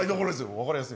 分かりやすい。